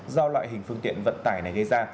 do loại hình phương tiện vận tải này gây ra